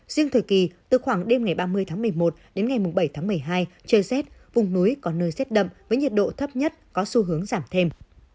riêng thời kỳ từ khoảng đêm ngày ba mươi tháng một mươi một đến ngày bảy tháng một mươi hai trời rét vùng núi có nơi rét đậm với nhiệt độ thấp nhất có xu hướng giảm thêm